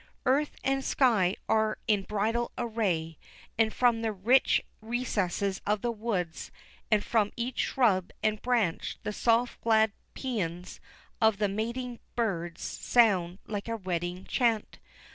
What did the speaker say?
Earth and sky are in bridal array, and from the rich recesses of the woods, and from each shrub and branch the soft glad pæans of the mating birds sound like a wedding chant.